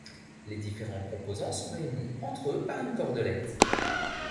Les différents composants sont réunis entre eux par une cordelette.